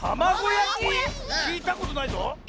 きいたことないぞ！